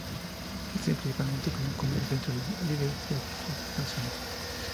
Existe principalmente como cumbres entre los líderes de estas tres naciones.